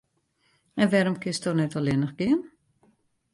En wêrom kinsto net allinnich gean?